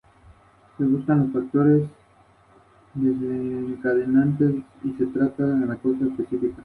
Fue muy masiva y concurrida.